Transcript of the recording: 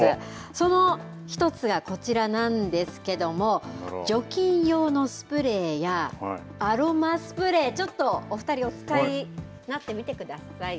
その一つがこちらなんですけども、除菌用のスプレーや、アロマスプレー、ちょっとお２人、お使いになってみてください。